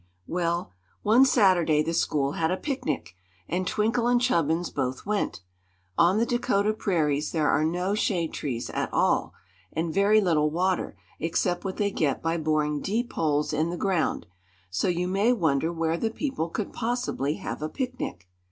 Well, one Saturday the school had a picnic, and Twinkle and Chubbins both went. On the Dakota prairies there are no shade trees at all, and very little water except what they they get by boring deep holes in the ground; so you may wonder where the people could possibly have a picnic.